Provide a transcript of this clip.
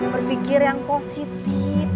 berpikir yang positif